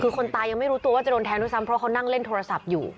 คือคนตายยังไม่รู้ตัวว่าจะโดนแทงด้วยซ้ำเพราะเขานั่งเล่นโทรศัพท์อยู่